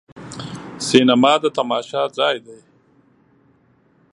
سینما د تماشا ځای دی.